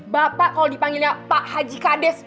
bapak kalau dipanggilnya pak haji kades